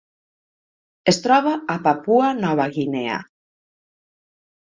Es troba a Papua Nova Guinea.